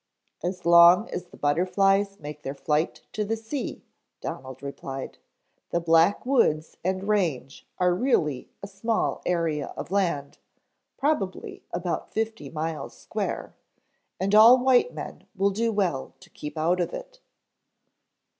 "As long as the butterflies make their flight to the sea," Donald replied. "The Black Woods and range are really a small area of land, probably about fifty miles square, and all white men will do well to keep out of it."